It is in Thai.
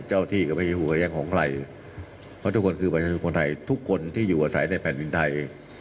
เพราะทุกคนคือประชาชนพลังไทยทุกคนที่อยู่อาศัยในแผ่นดินไทย